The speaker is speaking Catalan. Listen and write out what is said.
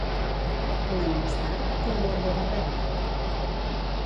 Un any més tard, quin guardó va rebre?